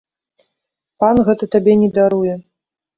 Пан гэта табе не даруе.